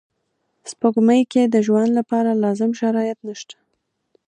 سپوږمۍ کې د ژوند لپاره لازم شرایط نشته